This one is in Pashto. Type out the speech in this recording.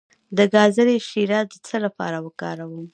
د ګازرې شیره د څه لپاره وکاروم؟